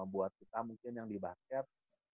buat kita mungkin yang di basket